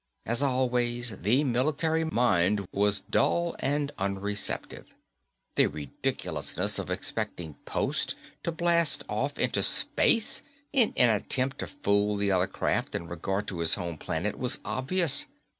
As always, the military mind was dull and unreceptive. The ridiculousness of expecting Post to blast off into space in an attempt to fool the other craft in regard to his home planet was obvious.